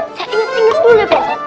saya inget inget dulu ya pak ustadz